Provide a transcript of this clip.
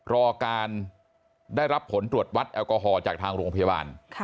รอการได้รับผลตรวจวัดแอลกอฮอลจากทางโรงพยาบาล